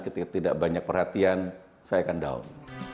ketika tidak banyak perhatian saya akan down